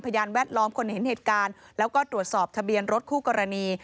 พยานแวดล้อมคนเห็นเหตุการณ์แล้วก็ตรวจสอบทะเบียนรถคู่กรณี